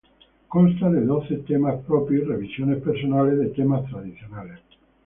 Consta de doce temas propios y revisiones personales de temas tradicionales.